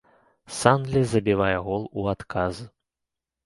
Санлі забівае гол у адказ.